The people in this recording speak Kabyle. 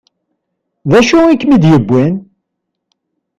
D acu i kem-id-yewwin?